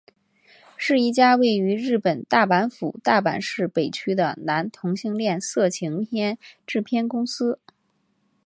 是一家位于日本大阪府大阪市北区的男同性恋色情片制片公司。